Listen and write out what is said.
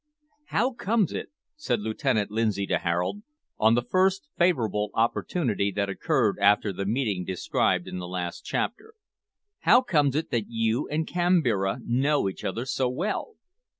"How comes it," said Lieutenant Lindsay to Harold, on the first favourable opportunity that occurred after the meeting described in the last chapter; "how comes it that you and Kambira know each other so well?"